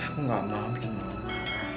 aku gak mau bikin mama